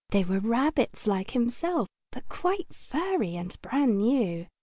They were rabbits like himself, but quite furry and brand new.